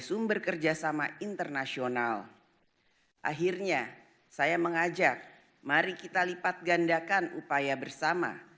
sumber kerjasama internasional akhirnya saya mengajak mari kita lipat gandakan upaya bersama